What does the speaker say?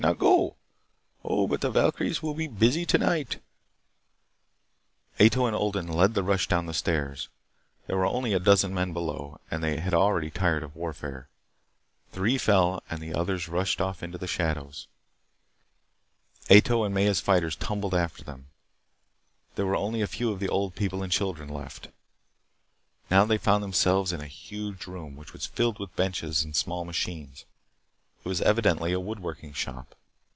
"Now, go! Oh, but the valkyries will be busy tonight!" Ato and Odin led the rush down the stairs. There were only a dozen men below and they had already tired of warfare. Three fell and the others rushed off into the shadows. Ato's and Maya's fighters tumbled after them. There were only a few of the old people and children left. Now they found themselves in a huge room which was filled with benches and small machines. It was evidently a wood working shop.